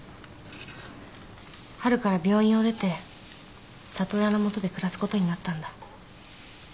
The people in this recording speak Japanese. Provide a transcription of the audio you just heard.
春から病院を出て里親の元で暮らすことになったんだ。